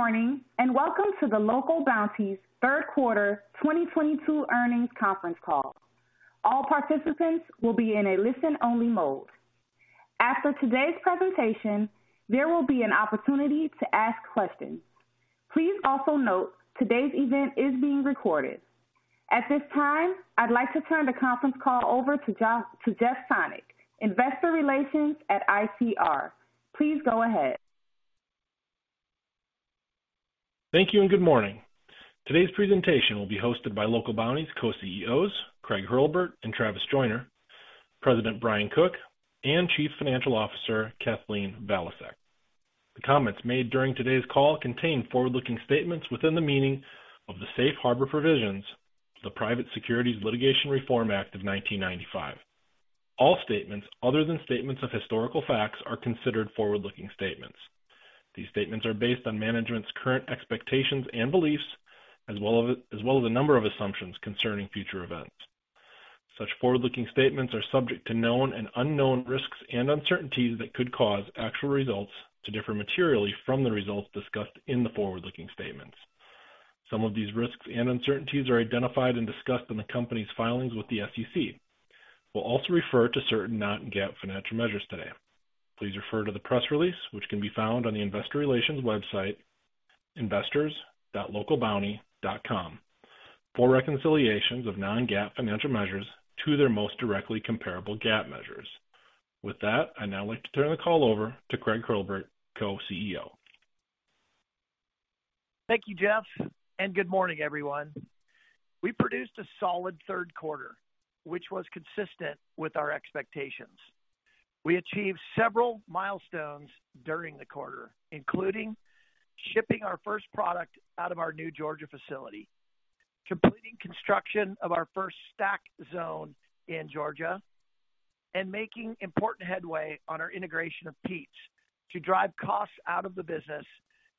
Good morning, and welcome to the Local Bounti third quarter 2022 earnings conference call. All participants will be in a listen-only mode. After today's presentation, there will be an opportunity to ask questions. Please also note today's event is being recorded. At this time, I'd like to turn the conference call over to Jeff Sonnek, Investor Relations at ICR. Please go ahead. Thank you and good morning. Today's presentation will be hosted by Local Bounti's Co-CEOs, Craig Hurlbert and Travis Joyner, President Brian Cook, and Chief Financial Officer Kathleen Valiasek. The comments made during today's call contain forward-looking statements within the meaning of the Safe Harbor Provisions of the Private Securities Litigation Reform Act of 1995. All statements other than statements of historical facts are considered forward-looking statements. These statements are based on management's current expectations and beliefs, as well as a number of assumptions concerning future events. Such forward-looking statements are subject to known and unknown risks and uncertainties that could cause actual results to differ materially from the results discussed in the forward-looking statements. Some of these risks and uncertainties are identified and discussed in the company's filings with the SEC. We'll also refer to certain non-GAAP financial measures today. Please refer to the press release, which can be found on the investor relations website, investors.localbounti.com, for reconciliations of non-GAAP financial measures to their most directly comparable GAAP measures. With that, I'd now like to turn the call over to Craig Hurlbert, Co-CEO. Thank you, Jeff, and good morning, everyone. We produced a solid third quarter, which was consistent with our expectations. We achieved several milestones during the quarter, including shipping our first product out of our new Georgia facility, completing construction of our first Stack zone in Georgia, and making important headway on our integration of Pete's to drive costs out of the business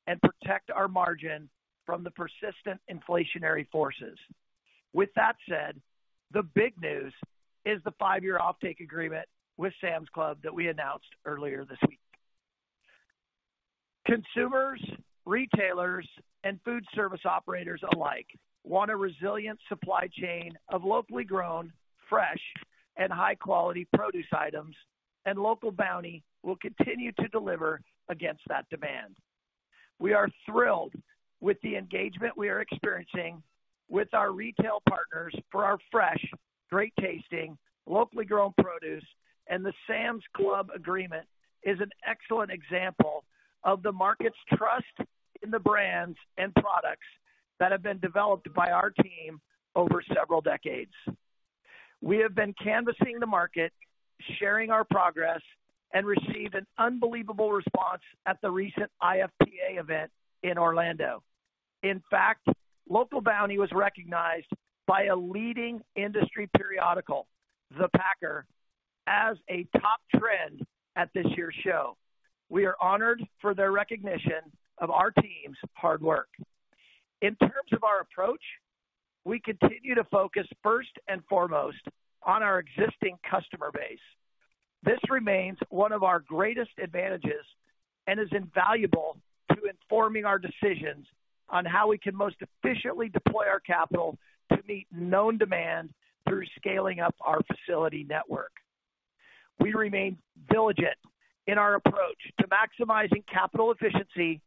and protect our margin from the persistent inflationary forces. With that said, the big news is the five-year offtake agreement with Sam's Club that we announced earlier this week. Consumers, retailers, and food service operators alike want a resilient supply chain of locally grown, fresh, and high-quality produce items, and Local Bounti will continue to deliver against that demand. We are thrilled with the engagement we are experiencing with our retail partners for our fresh, great tasting, locally grown produce, and the Sam's Club agreement is an excellent example of the market's trust in the brands and products that have been developed by our team over several decades. We have been canvassing the market, sharing our progress, and received an unbelievable response at the recent IFPA event in Orlando. In fact, Local Bounti was recognized by a leading industry periodical, The Packer, as a top trend at this year's show. We are honored for their recognition of our team's hard work. In terms of our approach, we continue to focus first and foremost on our existing customer base. This remains one of our greatest advantages and is invaluable to informing our decisions on how we can most efficiently deploy our capital to meet known demand through scaling up our facility network. We remain diligent in our approach to maximizing capital efficiency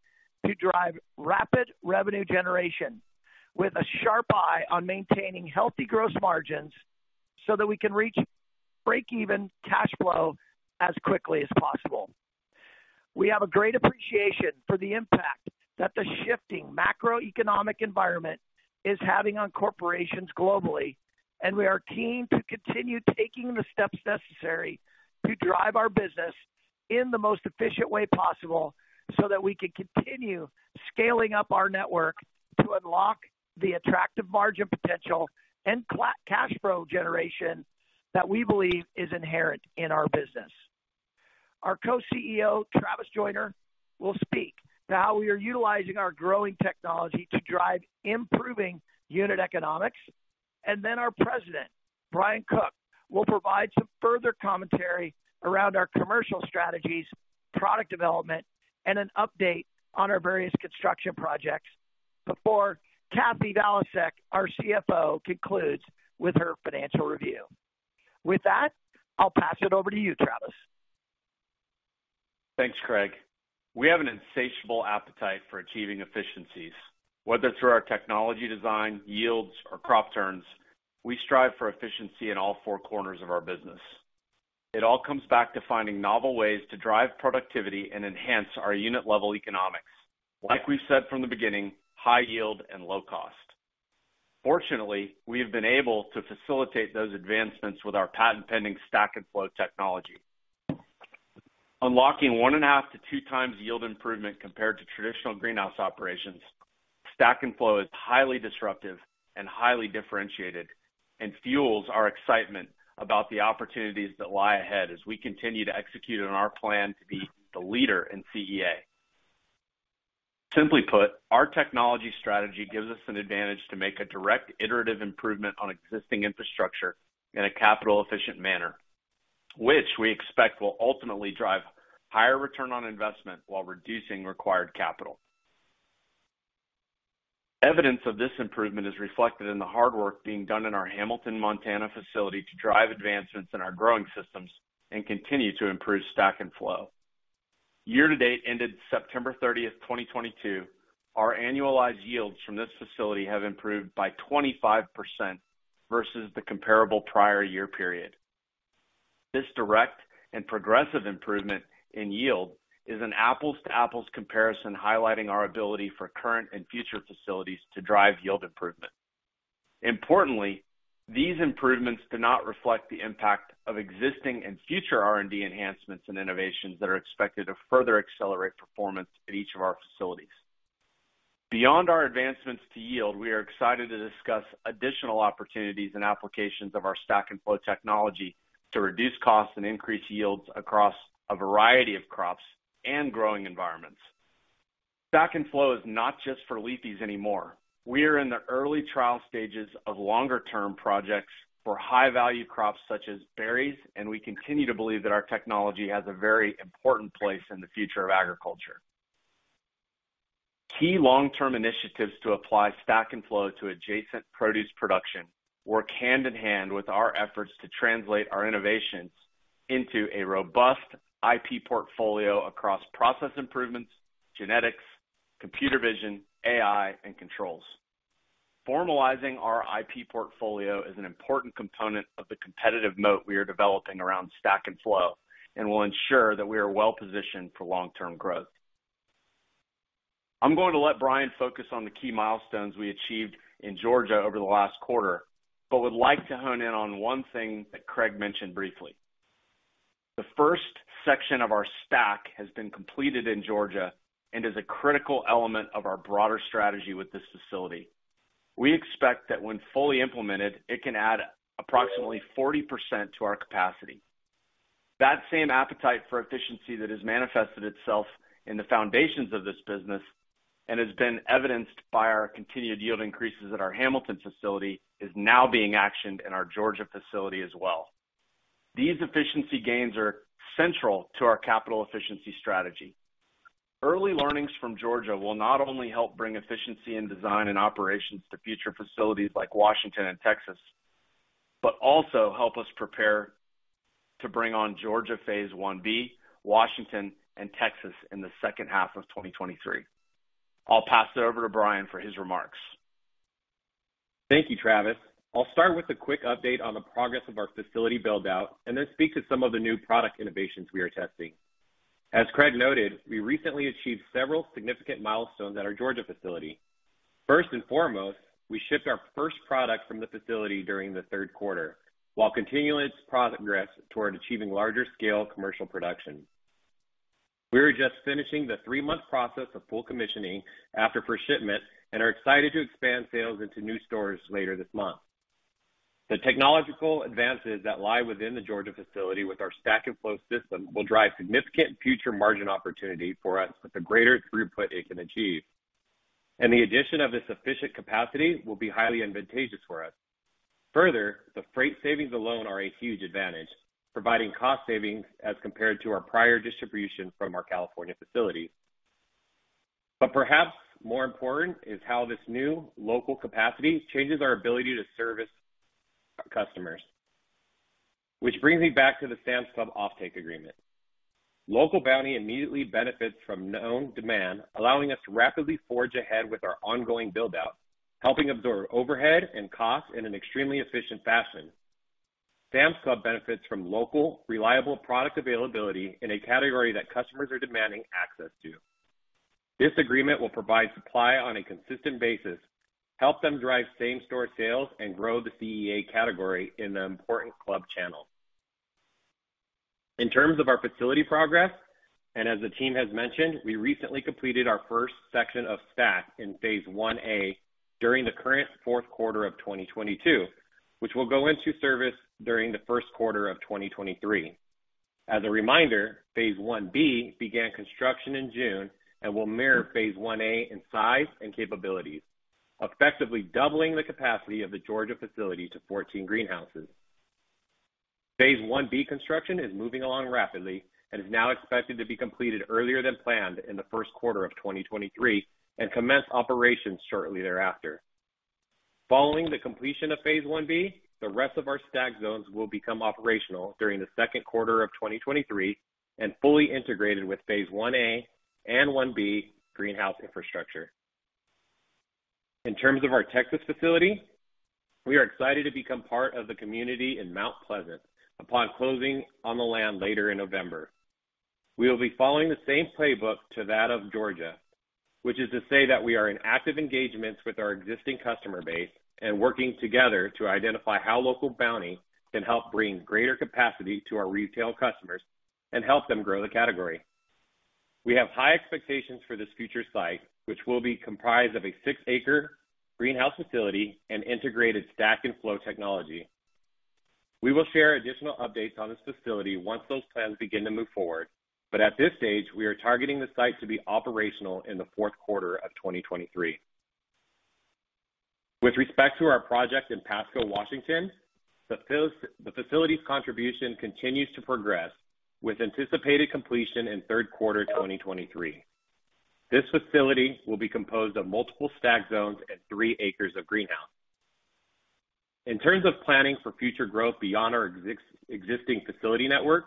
to drive rapid revenue generation with a sharp eye on maintaining healthy gross margins so that we can reach break-even cash flow as quickly as possible. We have a great appreciation for the impact that the shifting macroeconomic environment is having on corporations globally, and we are keen to continue taking the steps necessary to drive our business in the most efficient way possible so that we can continue scaling up our network to unlock the attractive margin potential and cash flow generation that we believe is inherent in our business. Our Co-CEO, Travis Joyner, will speak to how we are utilizing our growing technology to drive improving unit economics. Our president, Brian Cook, will provide some further commentary around our commercial strategies, product development, and an update on our various construction projects before Kathy Valiasek, our CFO, concludes with her financial review. With that, I'll pass it over to you, Travis. Thanks, Craig. We have an insatiable appetite for achieving efficiencies. Whether through our technology design, yields or crop turns, we strive for efficiency in all four corners of our business. It all comes back to finding novel ways to drive productivity and enhance our unit level economics. Like we said from the beginning, high yield and low cost. Fortunately, we have been able to facilitate those advancements with our patent-pending Stack & Flow technology. Unlocking 1.5-2x yield improvement compared to traditional greenhouse operations, Stack & Flow is highly disruptive and highly differentiated and fuels our excitement about the opportunities that lie ahead as we continue to execute on our plan to be the leader in CEA. Simply put, our technology strategy gives us an advantage to make a direct iterative improvement on existing infrastructure in a capital efficient manner, which we expect will ultimately drive higher return on investment while reducing required capital. Evidence of this improvement is reflected in the hard work being done in our Hamilton, Montana facility to drive advancements in our growing systems and continue to improve Stack & Flow. Year-to-date ended September 30th, 2022, our annualized yields from this facility have improved by 25% versus the comparable prior year period. This direct and progressive improvement in yield is an apples to apples comparison, highlighting our ability for current and future facilities to drive yield improvement. Importantly, these improvements do not reflect the impact of existing and future R&D enhancements and innovations that are expected to further accelerate performance at each of our facilities. Beyond our advancements to yield, we are excited to discuss additional opportunities and applications of our Stack & Flow technology to reduce costs and increase yields across a variety of crops and growing environments. Stack & Flow is not just for leafies anymore. We are in the early trial stages of longer-term projects for high-value crops such as berries, and we continue to believe that our technology has a very important place in the future of agriculture. Key long-term initiatives to apply Stack & Flow to adjacent produce production work hand in hand with our efforts to translate our innovations into a robust IP portfolio across process improvements, genetics, computer vision, AI, and controls. Formalizing our IP portfolio is an important component of the competitive moat we are developing around Stack & Flow and will ensure that we are well positioned for long-term growth. I'm going to let Brian focus on the key milestones we achieved in Georgia over the last quarter, but would like to hone in on one thing that Craig mentioned briefly. The first section of our Stack has been completed in Georgia and is a critical element of our broader strategy with this facility. We expect that when fully implemented, it can add approximately 40% to our capacity. That same appetite for efficiency that has manifested itself in the foundations of this business and has been evidenced by our continued yield increases at our Hamilton facility, is now being actioned in our Georgia facility as well. These efficiency gains are central to our capital efficiency strategy. Early learnings from Georgia will not only help bring efficiency in design and operations to future facilities like Washington and Texas, but also help us prepare to bring on Georgia phase IB, Washington and Texas in the second half of 2023. I'll pass it over to Brian for his remarks. Thank you, Travis. I'll start with a quick update on the progress of our facility build-out and then speak to some of the new product innovations we are testing. As Craig noted, we recently achieved several significant milestones at our Georgia facility. First and foremost, we shipped our first product from the facility during the third quarter, while continuing its progress toward achieving larger scale commercial production. We are just finishing the three-month process of full commissioning after first shipment and are excited to expand sales into new stores later this month. The technological advances that lie within the Georgia facility with our Stack & Flow system will drive significant future margin opportunity for us with the greater throughput it can achieve. The addition of this efficient capacity will be highly advantageous for us. Further, the freight savings alone are a huge advantage, providing cost savings as compared to our prior distribution from our California facility. Perhaps more important is how this new local capacity changes our ability to service customers. Which brings me back to the Sam's Club offtake agreement. Local Bounti immediately benefits from known demand, allowing us to rapidly forge ahead with our ongoing build-out, helping absorb overhead and cost in an extremely efficient fashion. Sam's Club benefits from local, reliable product availability in a category that customers are demanding access to. This agreement will provide supply on a consistent basis, help them drive same-store sales, and grow the CEA category in an important club channel. In terms of our facility progress, and as the team has mentioned, we recently completed our first section of Stack in phase IA during the current fourth quarter of 2022, which will go into service during the first quarter of 2023. As a reminder, phase IB began construction in June and will mirror phase IA in size and capabilities, effectively doubling the capacity of the Georgia facility to 14 greenhouses. Phase IB construction is moving along rapidly and is now expected to be completed earlier than planned in the first quarter of 2023 and commence operations shortly thereafter. Following the completion of phase IB, the rest of our Stack zones will become operational during the second quarter of 2023 and fully integrated with phase IA and IB greenhouse infrastructure. In terms of our Texas facility, we are excited to become part of the community in Mount Pleasant upon closing on the land later in November. We will be following the same playbook to that of Georgia, which is to say that we are in active engagements with our existing customer base and working together to identify how Local Bounti can help bring greater capacity to our retail customers and help them grow the category. We have high expectations for this future site, which will be comprised of a six-acre greenhouse facility and integrated Stack & Flow Technology. We will share additional updates on this facility once those plans begin to move forward. At this stage, we are targeting the site to be operational in the fourth quarter of 2023. With respect to our project in Pasco, Washington, the facility's contribution continues to progress with anticipated completion in third quarter 2023. This facility will be composed of multiple Stack zones and three acres of greenhouse. In terms of planning for future growth beyond our existing facility network,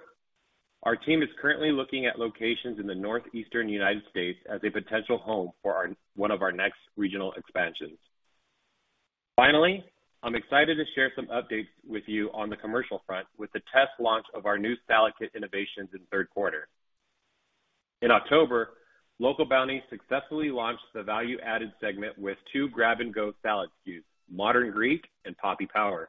our team is currently looking at locations in the Northeastern United States as a potential home for one of our next regional expansions. Finally, I'm excited to share some updates with you on the commercial front with the test launch of our new salad kit innovations in third quarter. In October, Local Bounti successfully launched the value-added segment with two grab and go salad SKUs, Modern Greek and Poppy Power.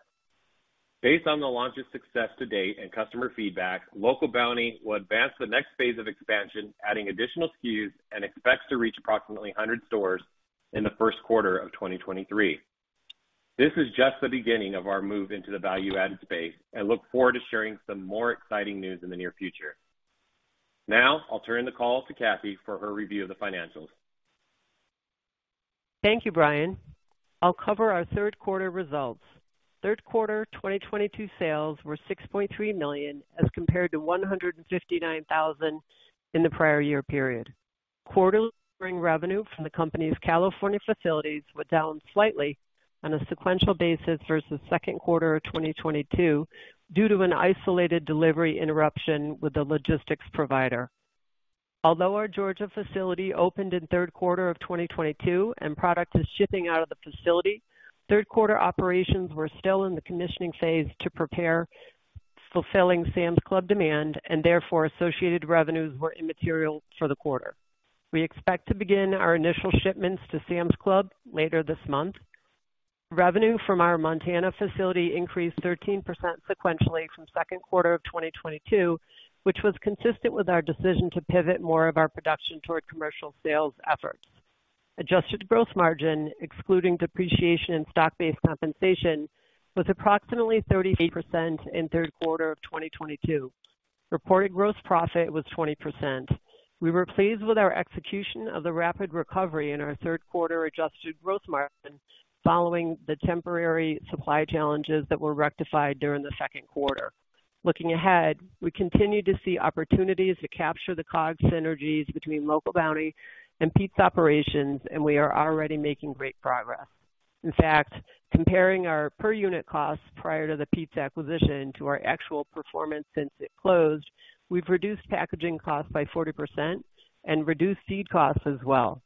Based on the launch's success to date and customer feedback, Local Bounti will advance the next phase of expansion, adding additional SKUs, and expects to reach approximately 100 stores in the first quarter of 2023. This is just the beginning of our move into the value-added space and look forward to sharing some more exciting news in the near future. Now I'll turn the call to Kathy for her review of the financials. Thank you, Brian. I'll cover our third quarter results. Third quarter 2022 sales were $6.3 million, as compared to $159 thousand in the prior year period. Quarterly recurring revenue from the company's California facilities were down slightly on a sequential basis versus second quarter of 2022 due to an isolated delivery interruption with the logistics provider. Although our Georgia facility opened in third quarter of 2022 and product is shipping out of the facility, third quarter operations were still in the commissioning phase to prepare fulfilling Sam's Club demand, and therefore associated revenues were immaterial for the quarter. We expect to begin our initial shipments to Sam's Club later this month. Revenue from our Montana facility increased 13% sequentially from second quarter of 2022, which was consistent with our decision to pivot more of our production toward commercial sales efforts. Adjusted gross margin, excluding depreciation and stock-based compensation, was approximately 38% in third quarter of 2022. Reported gross profit was 20%. We were pleased with our execution of the rapid recovery in our third quarter adjusted gross margin following the temporary supply challenges that were rectified during the second quarter. Looking ahead, we continue to see opportunities to capture the COGS synergies between Local Bounti and Pete's operations, and we are already making great progress. In fact, comparing our per unit costs prior to the Pete's acquisition to our actual performance since it closed, we've reduced packaging costs by 40% and reduced seed costs as well.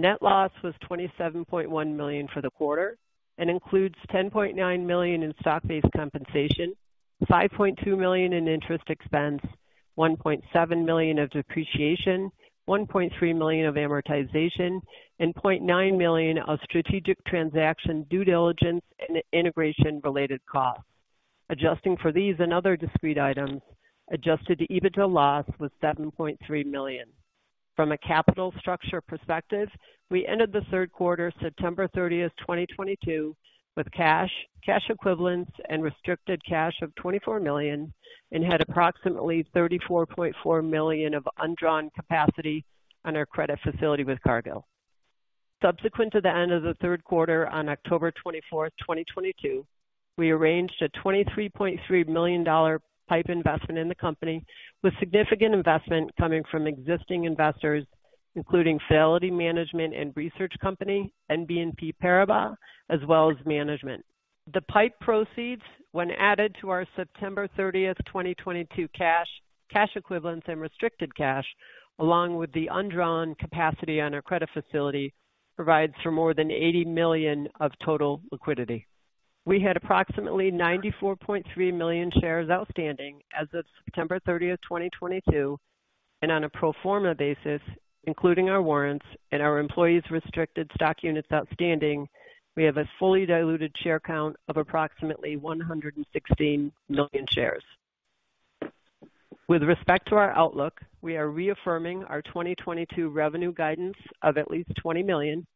Net loss was $27.1 million for the quarter and includes $10.9 million in stock-based compensation, $5.2 million in interest expense, $1.7 million of depreciation, $1.3 million of amortization, and $0.9 million of strategic transaction due diligence and integration related costs. Adjusting for these and other discrete items, adjusted EBITDA loss was $7.3 million. From a capital structure perspective, we ended the third quarter, September 30th, 2022, with cash equivalents, and restricted cash of $24 million and had approximately $34.4 million of undrawn capacity on our credit facility with Cargill. Subsequent to the end of the third quarter, on October 24th, 2022, we arranged a $23.3 million PIPE investment in the company, with significant investment coming from existing investors, including Fidelity Management & Research Company, BNP Paribas, as well as management. The PIPE proceeds, when added to our September 30th, 2022 cash equivalents, and restricted cash, along with the undrawn capacity on our credit facility, provides for more than $80 million of total liquidity. We had approximately 94.3 million shares outstanding as of September 30th, 2022, and on a pro forma basis, including our warrants and our employees restricted stock units outstanding, we have a fully diluted share count of approximately 116 million shares. With respect to our outlook, we are reaffirming our 2022 revenue guidance of at least $20 million.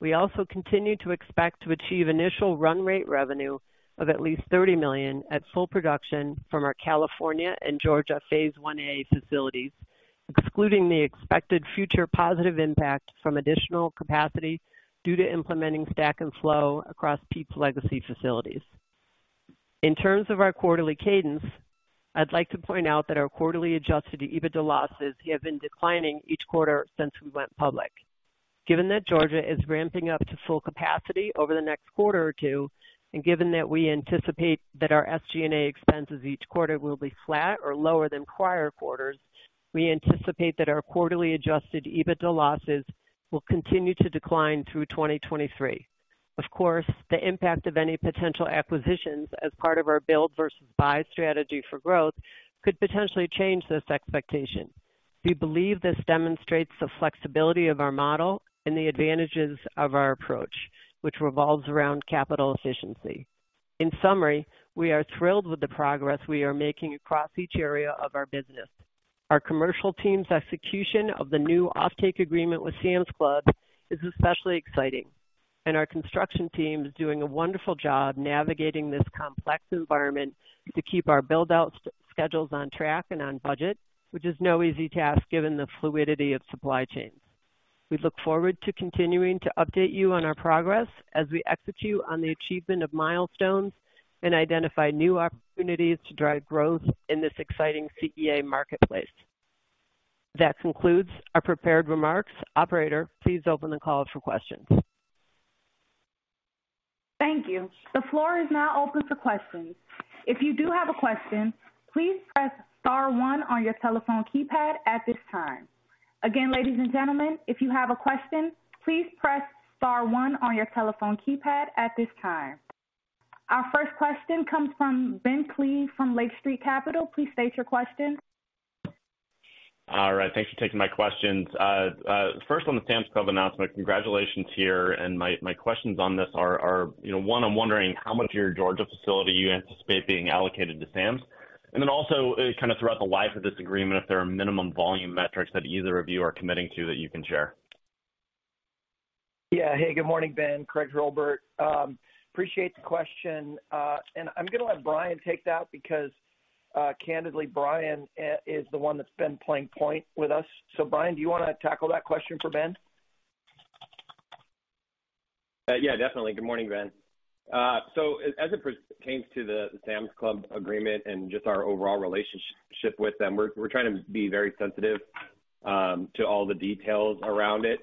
We also continue to expect to achieve initial run rate revenue of at least $30 million at full production from our California and Georgia phase IA facilities, excluding the expected future positive impact from additional capacity due to implementing Stack & Flow across Pete's legacy facilities. In terms of our quarterly cadence, I'd like to point out that our quarterly adjusted EBITDA losses have been declining each quarter since we went public. Given that Georgia is ramping up to full capacity over the next quarter or two, and given that we anticipate that our SG&A expenses each quarter will be flat or lower than prior quarters, we anticipate that our quarterly adjusted EBITDA losses will continue to decline through 2023. Of course, the impact of any potential acquisitions as part of our build versus buy strategy for growth could potentially change this expectation. We believe this demonstrates the flexibility of our model and the advantages of our approach, which revolves around capital efficiency. In summary, we are thrilled with the progress we are making across each area of our business. Our commercial team's execution of the new offtake agreement with Sam's Club is especially exciting, and our construction team is doing a wonderful job navigating this complex environment to keep our build out schedules on track and on budget, which is no easy task given the fluidity of supply chains. We look forward to continuing to update you on our progress as we execute on the achievement of milestones and identify new opportunities to drive growth in this exciting CEA marketplace. That concludes our prepared remarks. Operator, please open the call for questions. Thank you. The floor is now open for questions. If you do have a question, please press star one on your telephone keypad at this time. Again, ladies and gentlemen, if you have a question, please press star one on your telephone keypad at this time. Our first question comes from Ben Klieve from Lake Street Capital Markets. Please state your question. All right. Thanks for taking my questions. First on the Sam's Club announcement, congratulations here. My questions on this are, you know, one, I'm wondering how much of your Georgia facility you anticipate being allocated to Sam's. Then also, kind of throughout the life of this agreement, if there are minimum volume metrics that either of you are committing to that you can share. Yeah. Hey, good morning, Ben. Craig Hurlbert. Appreciate the question. I'm gonna let Brian take that because, candidly, Brian is the one that's been playing point with us. Brian, do you wanna tackle that question for Ben? Yeah, definitely. Good morning, Ben. So as it pertains to the Sam's Club agreement and just our overall relationship with them, we're trying to be very sensitive to all the details around it.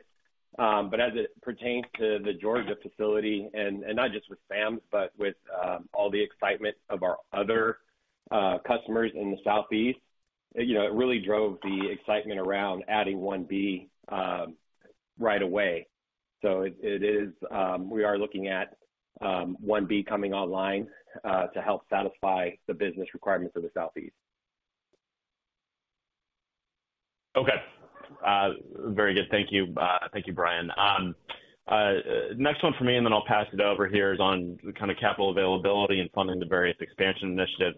But as it pertains to the Georgia facility, and not just with Sam's, but with all the excitement of our other customers in the Southeast, you know, it really drove the excitement around adding IB right away. It is we are looking at IB coming online to help satisfy the business requirements of the Southeast. Okay. Very good. Thank you. Thank you, Brian. Next one from me, and then I'll pass it over here, is on the kind of capital availability and funding the various expansion initiatives.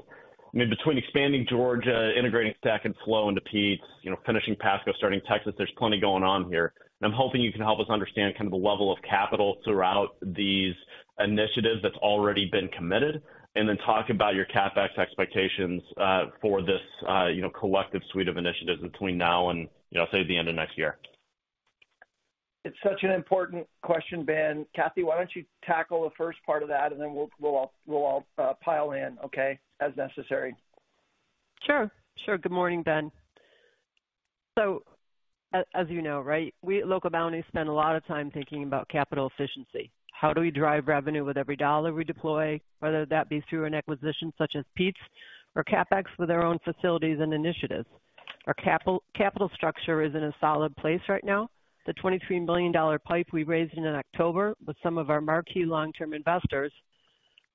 I mean, between expanding Georgia, integrating Stack & Flow into Pete's, you know, finishing Pasco, starting Texas, there's plenty going on here. I'm hoping you can help us understand kind of the level of capital throughout these initiatives that's already been committed, and then talk about your CapEx expectations for this, you know, collective suite of initiatives between now and, you know, say, the end of next year. It's such an important question, Ben. Kathy, why don't you tackle the first part of that, and then we'll all pile in, okay, as necessary. Sure. Good morning, Ben. As you know, right, we at Local Bounti spend a lot of time thinking about capital efficiency. How do we drive revenue with every dollar we deploy, whether that be through an acquisition such as Pete's or CapEx with our own facilities and initiatives. Our capital structure is in a solid place right now. The $23 million PIPE we raised in October with some of our marquee long-term investors,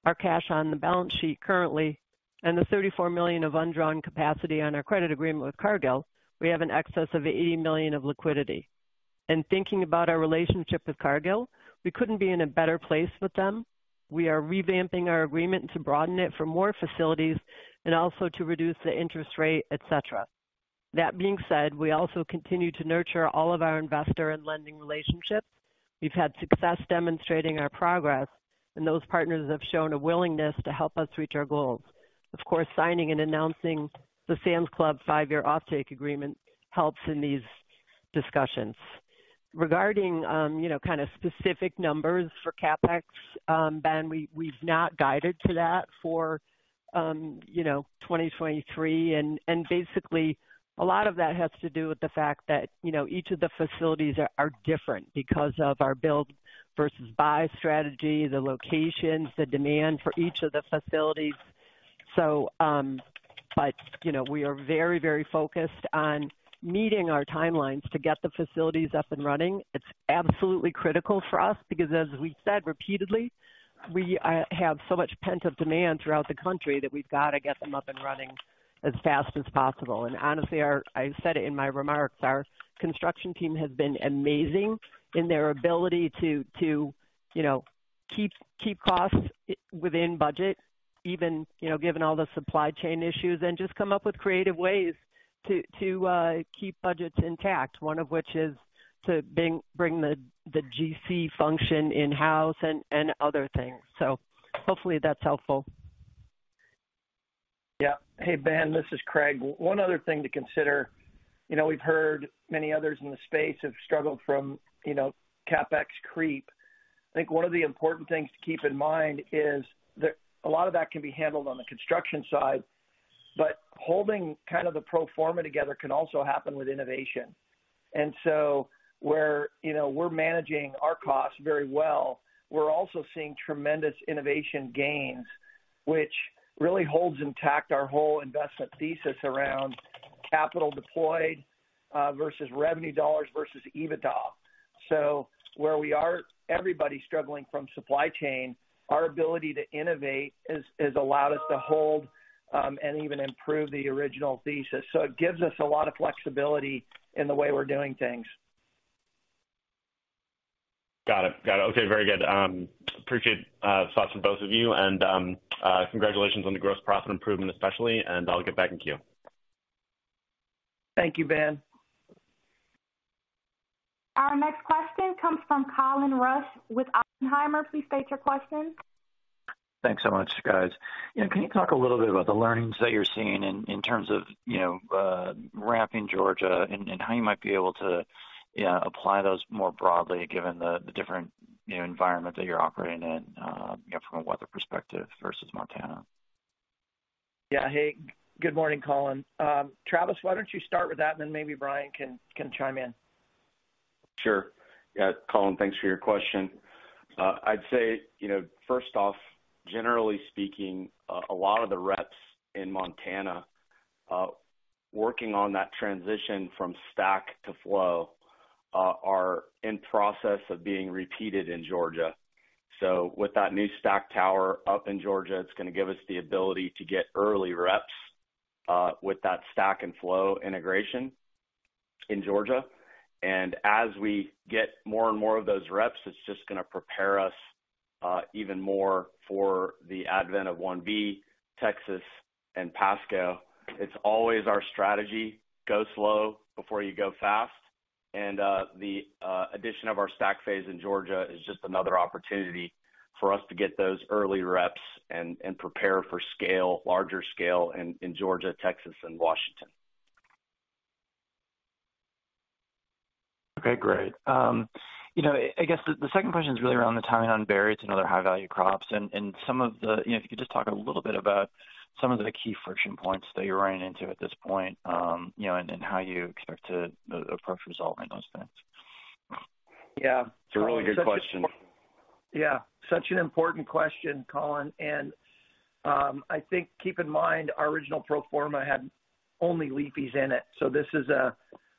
our cash on the balance sheet currently, and the $34 million of undrawn capacity on our credit agreement with Cargill, we have an excess of $80 million of liquidity. In thinking about our relationship with Cargill, we couldn't be in a better place with them. We are revamping our agreement to broaden it for more facilities and also to reduce the interest rate, etc. That being said, we also continue to nurture all of our investor and lending relationships. We've had success demonstrating our progress, and those partners have shown a willingness to help us reach our goals. Of course, signing and announcing the Sam's Club five-year offtake agreement helps in these discussions. Regarding you know, kind of specific numbers for CapEx, Ben, we've not guided to that for 2023. Basically a lot of that has to do with the fact that you know, each of the facilities are different because of our build versus buy strategy, the locations, the demand for each of the facilities. You know, we are very, very focused on meeting our timelines to get the facilities up and running. It's absolutely critical for us because as we said repeatedly, we have so much pent-up demand throughout the country that we've got to get them up and running as fast as possible. Honestly, I've said it in my remarks, our construction team has been amazing in their ability to, you know, keep costs within budget, even, you know, given all the supply chain issues, and just come up with creative ways to keep budgets intact, one of which is to bring the GC function in-house and other things. Hopefully that's helpful. Yeah. Hey, Ben, this is Craig. One other thing to consider, you know, we've heard many others in the space have struggled with, you know, CapEx creep. I think one of the important things to keep in mind is that a lot of that can be handled on the construction side, but holding kind of the pro forma together can also happen with innovation. Where, you know, we're managing our costs very well, we're also seeing tremendous innovation gains, which really holds intact our whole investment thesis around capital deployed versus revenue dollars versus EBITDA. Where we are, everybody's struggling with supply chain, our ability to innovate has allowed us to hold and even improve the original thesis. It gives us a lot of flexibility in the way we're doing things. Got it. Okay, very good. Appreciate thoughts from both of you. Congratulations on the gross profit improvement especially, and I'll get back in queue. Thank you, Ben. Our next question comes from Colin Rusch with Oppenheimer. Please state your question. Thanks so much, guys. Yeah, can you talk a little bit about the learnings that you're seeing in terms of, you know, ramp in Georgia and how you might be able to, you know, apply those more broadly given the different, you know, environment that you're operating in, you know, from a weather perspective versus Montana? Yeah. Hey, good morning, Colin. Travis, why don't you start with that, and then maybe Brian can chime in. Sure. Yeah, Colin, thanks for your question. I'd say, you know, first off, generally speaking, a lot of the reps in Montana working on that transition from Stack to Flow are in process of being repeated in Georgia. So with that new Stack tower up in Georgia, it's gonna give us the ability to get early reps with that Stack and Flow integration in Georgia. As we get more and more of those reps, it's just gonna prepare us even more for the advent of IB, Texas, and Pasco. It's always our strategy, go slow before you go fast. The addition of our Stack phase in Georgia is just another opportunity for us to get those early reps and prepare for scale, larger scale in Georgia, Texas, and Washington. Okay, great. You know, I guess the second question is really around the timing on berries and other high-value crops and some of the key friction points that you're running into at this point, you know, and how you expect to approach and resolve those things. Yeah. It's a really good question. Yeah. Such an important question, Colin. I think keep in mind, our original pro forma had only leafies in it.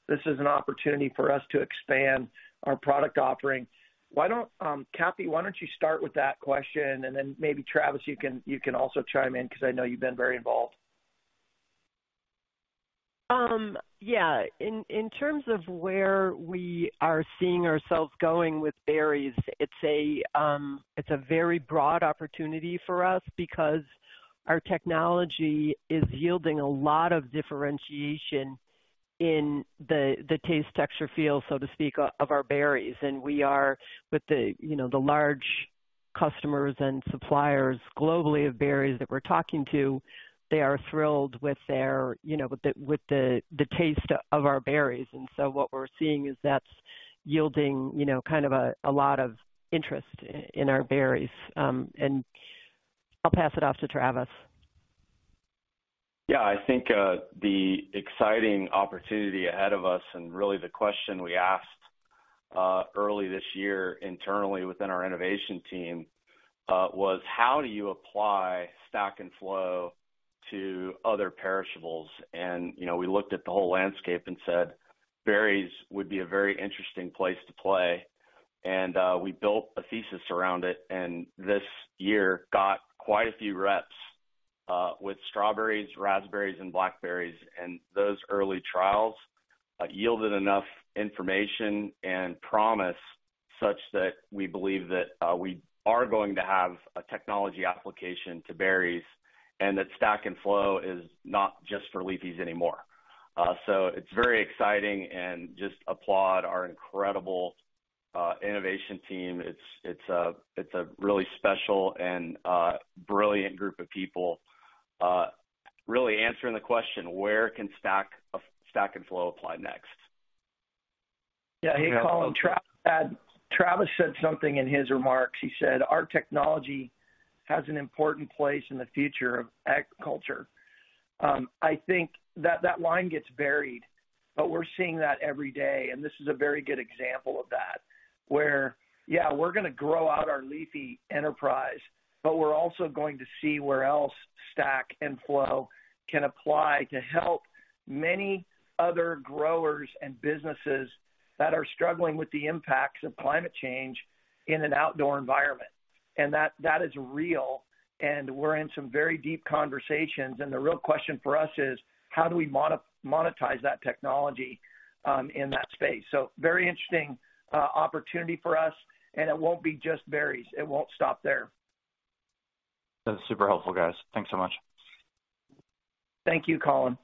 This is an opportunity for us to expand our product offering. Why don't, Kathy, why don't you start with that question, and then maybe Travis, you can also chime in because I know you've been very involved. Yeah. In terms of where we are seeing ourselves going with berries, it's a very broad opportunity for us because our technology is yielding a lot of differentiation in the taste, texture, feel, so to speak, of our berries. We are with the, you know, the large customers and suppliers globally of berries that we're talking to, they are thrilled with the taste of our berries. What we're seeing is that's yielding, you know, kind of a lot of interest in our berries. I'll pass it off to Travis. Yeah. I think the exciting opportunity ahead of us, and really the question we asked early this year internally within our innovation team, was how do you apply Stack & Flow to other perishables? You know, we looked at the whole landscape and said, berries would be a very interesting place to play. We built a thesis around it, and this year got quite a few reps with strawberries, raspberries, and blackberries. Those early trials yielded enough information and promise such that we believe that we are going to have a technology application to berries and that Stack & Flow is not just for leafies anymore. It's very exciting and just applaud our incredible innovation team. It's a really special and brilliant group of people, really answering the question, where can Stack & Flow apply next? Hey, Colin. Travis said something in his remarks. He said, our technology has an important place in the future of agriculture. I think that line gets buried, but we're seeing that every day, and this is a very good example of that, where we're gonna grow out our leafy enterprise, but we're also going to see where else Stack & Flow can apply to help many other growers and businesses that are struggling with the impacts of climate change in an outdoor environment. That is real, and we're in some very deep conversations. The real question for us is how do we monetize that technology in that space. Very interesting opportunity for us, and it won't be just berries. It won't stop there. That's super helpful, guys. Thanks so much. Thank you, Colin.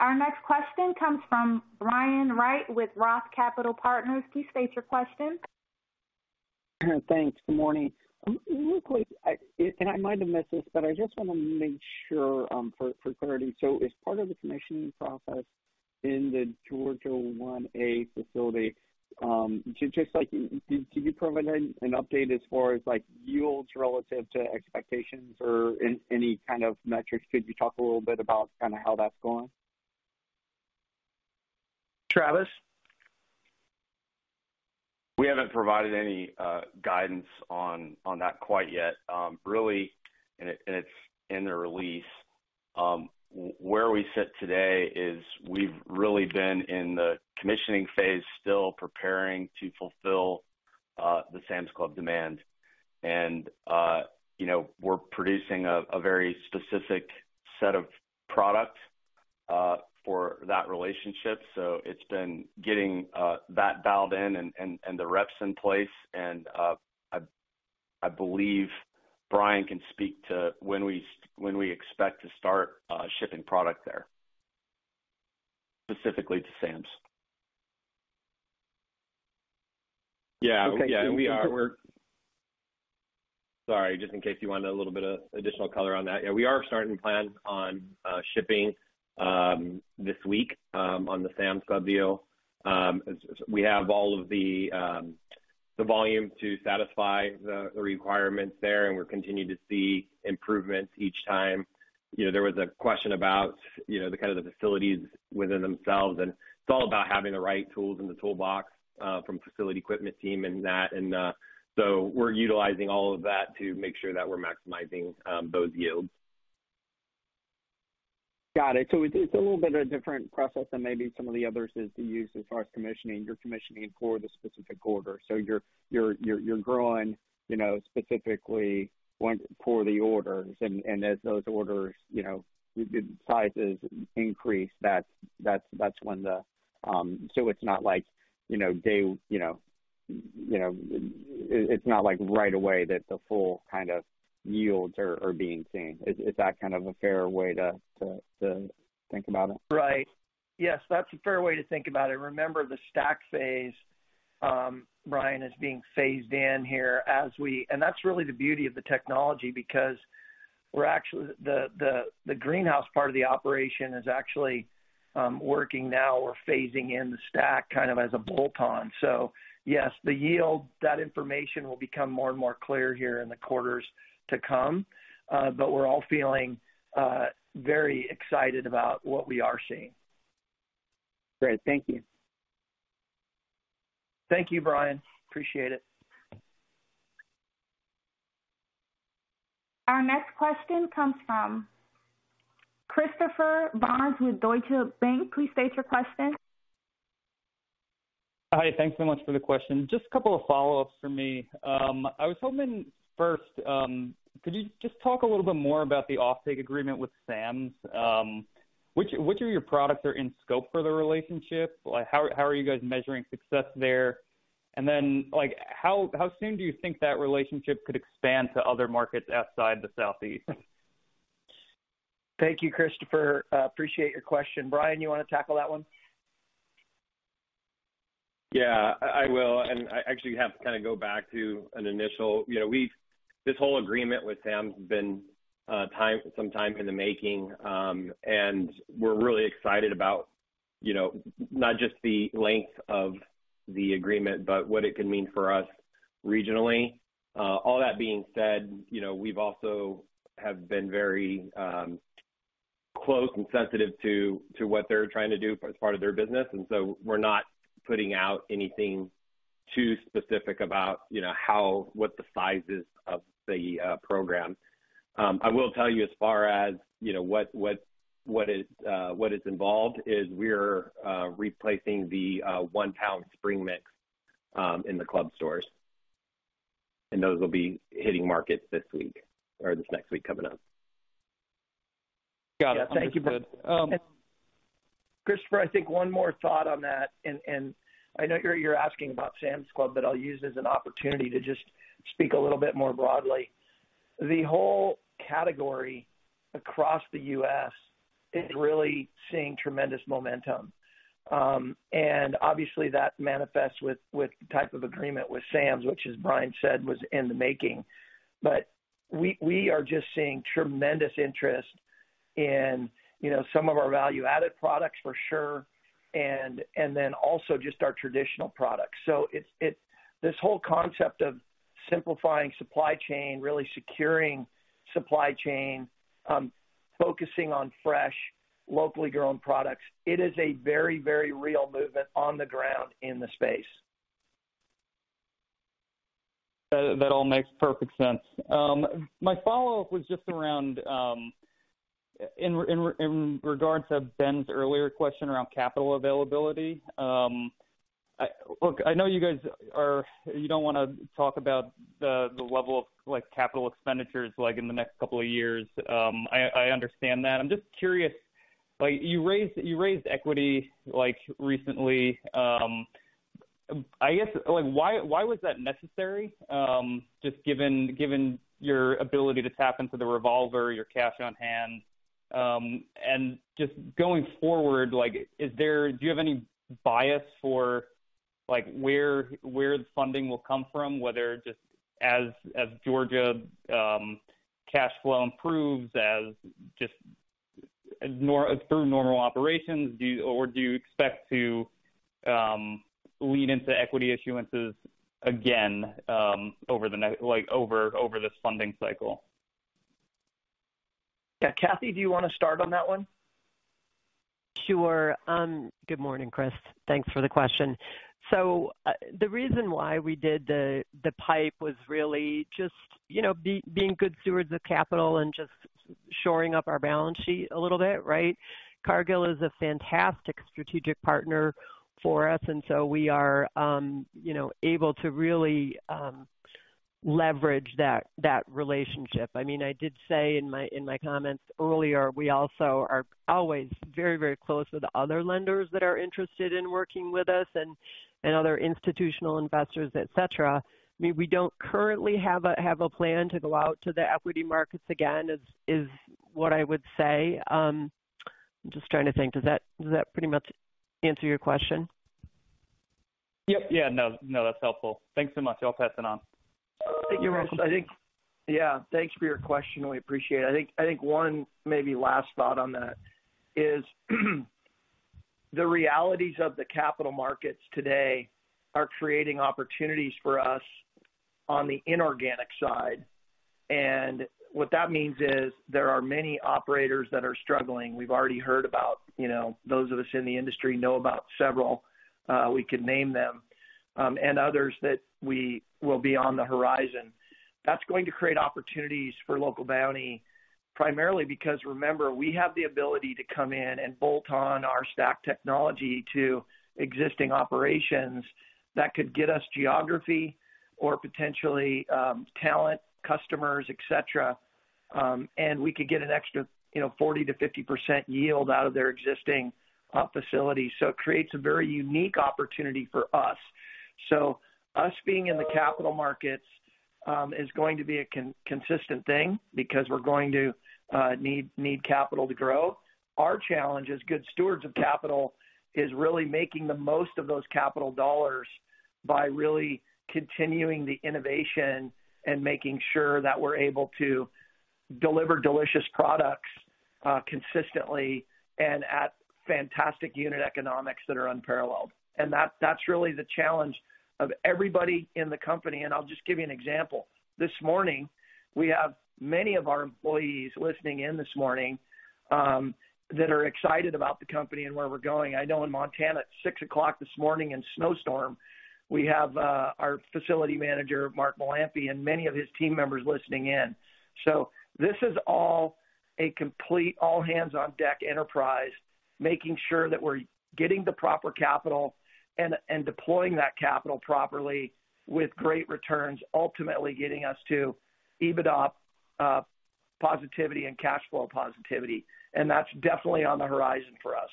Our next question comes from Brian Wright with ROTH Capital Partners. Please state your question. Thanks. Good morning. Real quick, I might have missed this, but I just wanna make sure, for clarity. As part of the commissioning process in the Georgia IA facility, just like, can you provide an update as far as, like, yields relative to expectations or any kind of metrics? Could you talk a little bit about kinda how that's going? Travis? We haven't provided any guidance on that quite yet. Really, it's in the release where we sit today is we've really been in the commissioning phase, still preparing to fulfill the Sam's Club demand. You know, we're producing a very specific set of product for that relationship. It's been getting that dialed in and the reps in place. I believe Bryan can speak to when we expect to start shipping product there. Specifically to Sam's. Yeah. Yeah, we are. Sorry, just in case you wanted a little bit of additional color on that. Yeah, we are starting plans on shipping this week on the Sam's Club deal. So we have all of the volume to satisfy the requirements there, and we're continuing to see improvements each time. You know, there was a question about, you know, the kind of facilities within themselves, and it's all about having the right tools in the toolbox from facility equipment team and that. We're utilizing all of that to make sure that we're maximizing those yields. Got it. It's a little bit of a different process than maybe some of the others is to use as far as commissioning. You're commissioning for the specific order. You're growing, you know, specifically for the orders. As those orders, you know, the sizes increase. It's not like right away that the full kind of yields are being seen. Is that kind of a fair way to think about it? Right. Yes, that's a fair way to think about it. Remember, the Stack phase, Brian, is being phased in here. That's really the beauty of the technology. The greenhouse part of the operation is actually working now. We're phasing in the Stack kind of as a bolt-on. Yes, the yield, that information will become more and more clear here in the quarters to come. But we're all feeling very excited about what we are seeing. Great. Thank you. Thank you, Brian. Appreciate it. Our next question comes from Christopher Barnes with Deutsche Bank. Please state your question. Hi. Thanks so much for the question. Just a couple of follow-ups for me. I was hoping first, could you just talk a little bit more about the offtake agreement with Sam's? Which of your products are in scope for the relationship? Like, how are you guys measuring success there? And then, like, how soon do you think that relationship could expand to other markets outside the Southeast? Thank you, Christopher. Appreciate your question. Brian, you wanna tackle that one? Yeah, I will. I actually have to kinda go back to an initial. You know, we've. This whole agreement with Sam's has been some time in the making. We're really excited about, you know, not just the length of the agreement, but what it could mean for us regionally. All that being said, you know, we've also have been very close and sensitive to what they're trying to do for part of their business, and so we're not putting out anything too specific about, you know, how what the size is of the program. I will tell you as far as, you know, what is involved is we're replacing the 1-pound Spring Mix in the club stores. Those will be hitting markets this week or this next week coming up. Got it. Yeah. Thank you. Understood. Christopher, I think one more thought on that, and I know you're asking about Sam's Club, but I'll use it as an opportunity to just speak a little bit more broadly. The whole category across the U.S. is really seeing tremendous momentum. Obviously that manifests with the type of agreement with Sam's, which, as Brian said, was in the making. We are just seeing tremendous interest in, you know, some of our value-added products for sure and then also just our traditional products. It's this whole concept of simplifying supply chain, really securing supply chain, focusing on fresh, locally grown products. It is a very, very real movement on the ground in the space. That all makes perfect sense. My follow-up was just around, in regards to Ben's earlier question around capital availability. Look, I know you don't wanna talk about the level of, like, capital expenditures, like, in the next couple of years. I understand that. I'm just curious, like, you raised equity, like, recently. I guess, like, why was that necessary, just given your ability to tap into the revolver, your cash on hand? Just going forward, like, do you have any bias for, like, where the funding will come from, whether just as Georgia cash flow improves as just through normal operations, or do you expect to lean into equity issuances again, over, like, over this funding cycle? Yeah. Kathy, do you wanna start on that one? Sure. Good morning, Chris. Thanks for the question. The reason why we did the PIPE was really just you know being good stewards of capital and just shoring up our balance sheet a little bit, right? Cargill is a fantastic strategic partner for us, and so we are you know able to really leverage that relationship. I mean, I did say in my comments earlier, we also are always very close with other lenders that are interested in working with us and other institutional investors, et cetera. I mean, we don't currently have a plan to go out to the equity markets again, is what I would say. I'm just trying to think. Does that pretty much answer your question? Yep. Yeah. No, no, that's helpful. Thanks so much. I'll pass it on. Thank you, Chris. I think. Yeah, thanks for your question. We appreciate it. I think one maybe last thought on that is the realities of the capital markets today are creating opportunities for us on the inorganic side. What that means is there are many operators that are struggling. We've already heard about, you know, those of us in the industry know about several, we could name them, and others that will be on the horizon. That's going to create opportunities for Local Bounti, primarily because remember, we have the ability to come in and bolt on our stack technology to existing operations that could get us geography or potentially, talent, customers, et cetera. And we could get an extra, you know, 40%-50% yield out of their existing, facility. It creates a very unique opportunity for us. Us being in the capital markets is going to be a consistent thing because we're going to need capital to grow. Our challenge as good stewards of capital is really making the most of those capital dollars by really continuing the innovation and making sure that we're able to deliver delicious products consistently and at fantastic unit economics that are unparalleled. That's really the challenge of everybody in the company. I'll just give you an example. This morning, we have many of our employees listening in this morning that are excited about the company and where we're going. I know in Montana at 6:00 A.M. this morning in snowstorm, we have our Facility Manager, Mark Molamphy, and many of his team members listening in. This is all a complete all hands on deck enterprise, making sure that we're getting the proper capital and deploying that capital properly with great returns, ultimately getting us to EBITDA positivity and cash flow positivity. That's definitely on the horizon for us.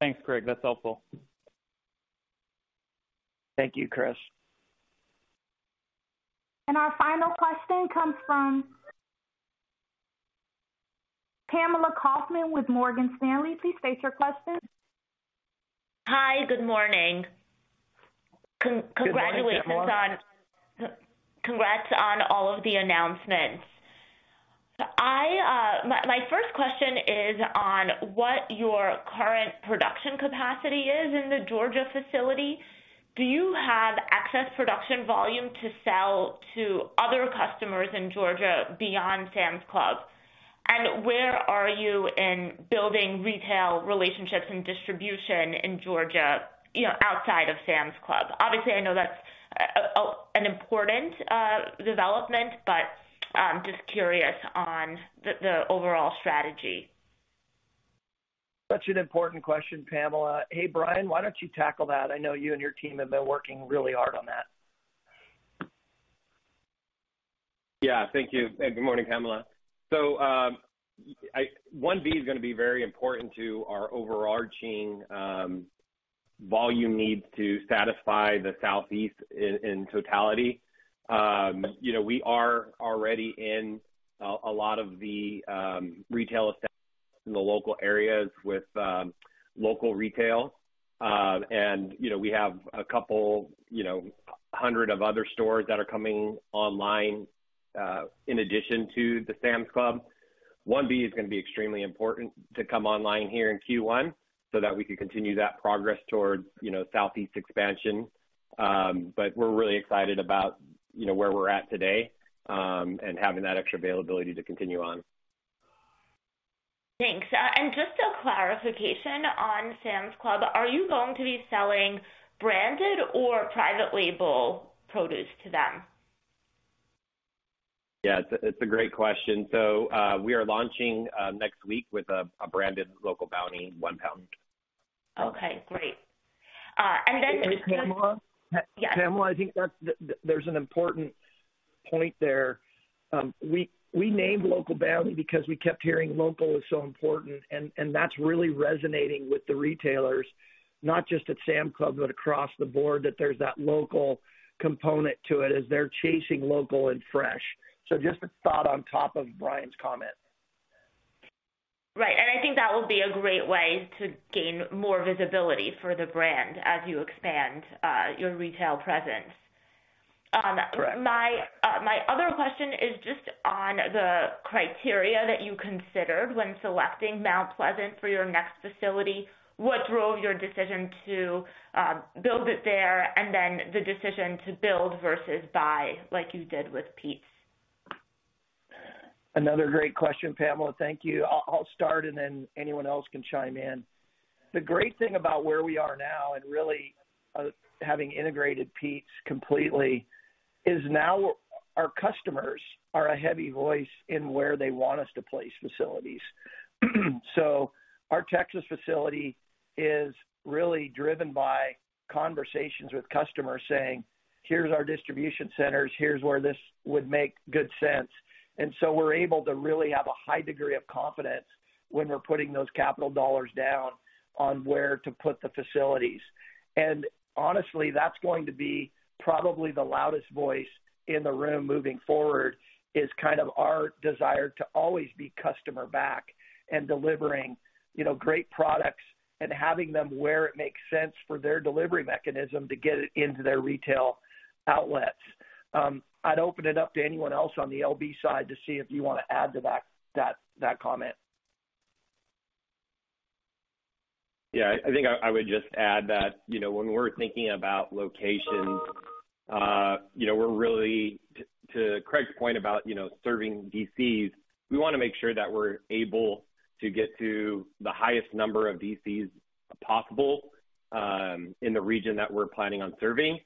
Thanks, Greg. That's helpful. Thank you, Chris. Our final question comes from Pamela Kaufman with Morgan Stanley. Please state your question. Hi. Good morning. Good morning, Pamela. Congrats on all of the announcements. My first question is on what your current production capacity is in the Georgia facility. Do you have excess production volume to sell to other customers in Georgia beyond Sam's Club? Where are you in building retail relationships and distribution in Georgia, you know, outside of Sam's Club? Obviously, I know that's an important development, but I'm just curious on the overall strategy. Such an important question, Pamela. Hey, Brian, why don't you tackle that? I know you and your team have been working really hard on that. Yeah. Thank you. Good morning, Pamela. IB is gonna be very important to our overarching volume needs to satisfy the Southeast in totality. You know, we are already in a lot of the retail establishments in the local areas with local retail. And, you know, we have a couple, you know, hundred of other stores that are coming online in addition to the Sam's Club. IB is gonna be extremely important to come online here in Q1 so that we can continue that progress towards, you know, Southeast expansion. We're really excited about, you know, where we're at today and having that extra availability to continue on. Thanks. Just a clarification on Sam's Club, are you going to be selling branded or private label produce to them? Yeah, it's a great question. We are launching next week with a branded Local Bounti one pound. Okay, great. Pamela? Yes. Pamela, I think there's an important point there. We named Local Bounti because we kept hearing local is so important, and that's really resonating with the retailers, not just at Sam's Club, but across the board, that there's that local component to it as they're chasing local and fresh. Just a thought on top of Brian's comment. Right. I think that will be a great way to gain more visibility for the brand as you expand your retail presence. My other question is just on the criteria that you considered when selecting Mount Pleasant for your next facility. What drove your decision to build it there, and then the decision to build versus buy like you did with Pete's? Another great question, Pamela. Thank you. I'll start and then anyone else can chime in. The great thing about where we are now and really, having integrated Pete's completely is now our customers are a heavy voice in where they want us to place facilities. Our Texas facility is really driven by conversations with customers saying, "Here's our distribution centers. Here's where this would make good sense." We're able to really have a high degree of confidence when we're putting those capital dollars down on where to put the facilities. Honestly, that's going to be probably the loudest voice in the room moving forward, is kind of our desire to always be customer-backed and delivering, you know, great products and having them where it makes sense for their delivery mechanism to get it into their retail outlets. I'd open it up to anyone else on the LB side to see if you wanna add to that comment. Yeah. I think I would just add that, you know, when we're thinking about location, you know, we're really to Craig's point about, you know, serving DCs, we wanna make sure that we're able to get to the highest number of DCs possible, in the region that we're planning on serving.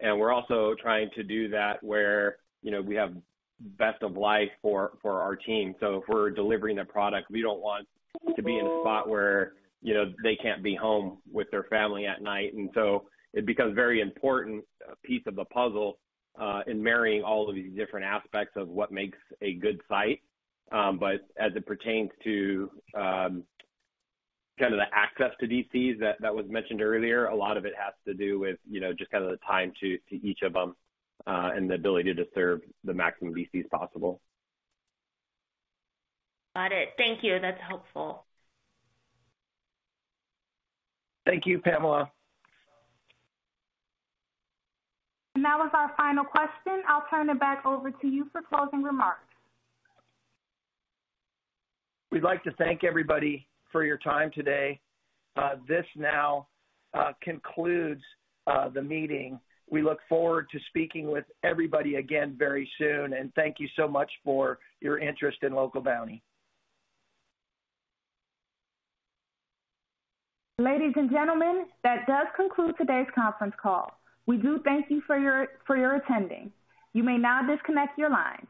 We're also trying to do that where, you know, we have best of life for our team. If we're delivering a product, we don't want to be in a spot where, you know, they can't be home with their family at night. It becomes a very important piece of the puzzle, in marrying all of these different aspects of what makes a good site. As it pertains to the access to DCs that was mentioned earlier, a lot of it has to do with, you know, just kind of the time to each of them and the ability to serve the maximum DCs possible. Got it. Thank you. That's helpful. Thank you, Pamela. That was our final question. I'll turn it back over to you for closing remarks. We'd like to thank everybody for your time today. This concludes the meeting. We look forward to speaking with everybody again very soon. Thank you so much for your interest in Local Bounti. Ladies and gentlemen, that does conclude today's conference call. We do thank you for your attending. You may now disconnect your lines.